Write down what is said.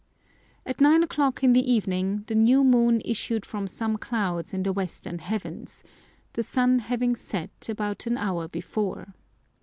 At nine o'clock in the evening, the new moon issued from some clouds in the western heavens, the sun having set, about an hour before.